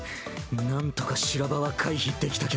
なんとか修羅場は回避できたけど。